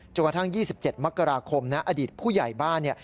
กระทั่ง๒๗มกราคมนะอดีตผู้ใหญ่บ้าน